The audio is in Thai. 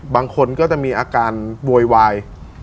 บางคนก็จะมีอาการโวยวาย